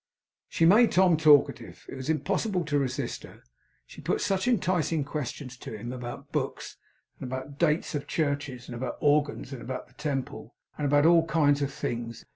She made Tom talkative. It was impossible to resist her. She put such enticing questions to him; about books, and about dates of churches, and about organs and about the Temple, and about all kinds of things.